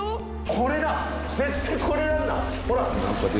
これだ絶対これなんだほら！